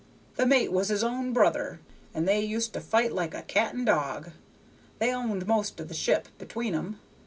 The mate was his own brother, and they used to fight like a cat and dog; they owned most of the ship between 'em.